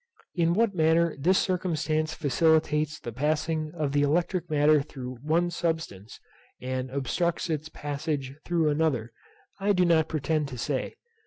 In what manner this circumstance facilitates the passing of the electric matter through one substance, and obstructs its passage through another, I do not pretend to say.